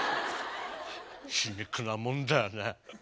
皮肉なもんだよね。